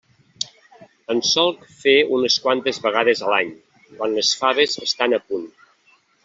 En solc fer unes quantes vegades a l'any, quan les faves estan al punt.